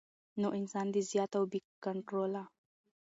نو انسان د زيات او بې کنټروله